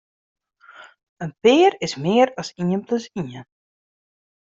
In pear is mear as ien plus ien.